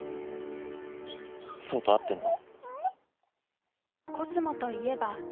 想と会ってんの？